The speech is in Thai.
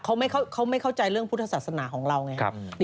เขาไม่เข้าใจเรื่องพุทธศาสนาของเราไง